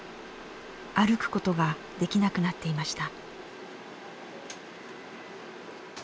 歩くことができなくなっていました。